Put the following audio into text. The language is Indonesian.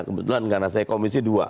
kebetulan karena saya komisi dua